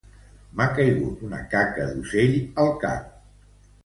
M'ha caigut una caca d'ocell al cap